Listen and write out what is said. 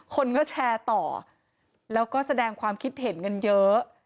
คนก็แชร์ต่อแล้วก็แสดงความคิดเห็นกันเยอะ